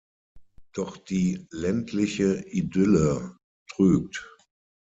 Doch die ländliche Idylle trügt.